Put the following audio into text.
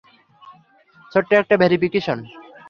ছোট্ট একটা ভেরিফিকেশন।